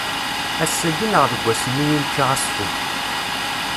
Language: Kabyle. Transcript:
Ass-agi neɣ deg wass-nni i nečča asfel.